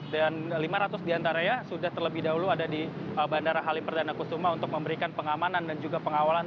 dan lima ratus di antara ya sudah terlebih dahulu ada di bandara halim perdana kusuma untuk memberikan pengamanan dan juga pengawalan